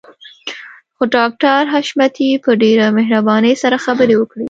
خو ډاکټر حشمتي په ډېره مهربانۍ سره خبرې وکړې.